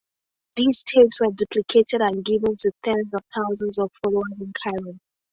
These tapes were duplicated and given to tens of thousands of followers in Cairo.